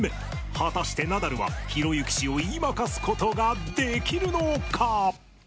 果たしてナダルは、ひろゆき氏を言い負かすことができるのか？